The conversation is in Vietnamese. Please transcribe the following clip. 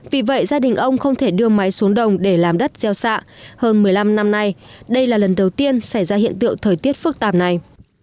vì vậy gia đình ông không thể đưa máy xuống đồng để làm đất gieo xạ hơn một mươi năm năm nay đây là lần đầu tiên xảy ra hiện tượng thời tiết phức tạp này